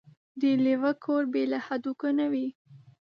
ـ د لېوه کور بې له هډوکو نه وي.